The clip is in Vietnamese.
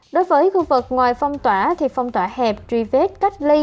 đối với khu vực ngoài phong tỏa thì phong tỏa hẹp truy vết cách ly